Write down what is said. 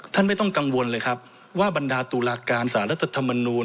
ไม่ต้องกังวลเลยครับว่าบรรดาตุลาการสารรัฐธรรมนูล